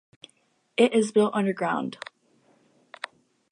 It is built underground.